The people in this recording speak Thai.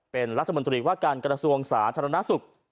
เป็นรัฐมนตรีว่าการกระทรวงสาธารณสุข